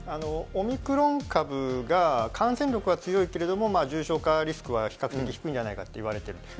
オミクロン株が感染力が強いけれども、重症化リスクは比較的低いんじゃないかと言われている。